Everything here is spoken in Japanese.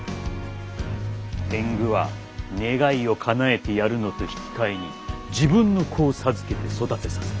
「天狗は願いをかなえてやるのと引き換えに自分の子を授けて育てさせる。